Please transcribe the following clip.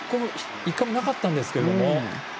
１回もなかったんですけれども。